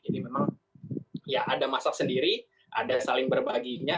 jadi memang ya ada masak sendiri ada saling berbaginya